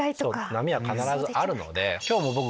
波は必ずあるので。